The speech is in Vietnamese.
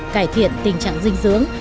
cải thiện tình trạng dinh dưỡng